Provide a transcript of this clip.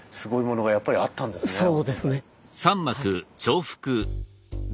そうですねはい。